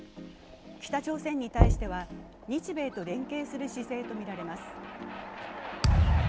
北朝鮮に対しては、日米と連携する姿勢とみられます。